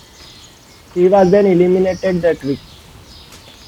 She was then eliminated that week.